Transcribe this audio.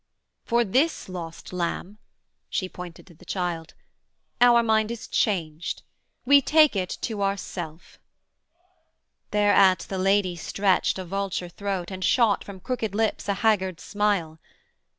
For this lost lamb (she pointed to the child) Our mind is changed: we take it to ourself.' Thereat the Lady stretched a vulture throat, And shot from crooked lips a haggard smile.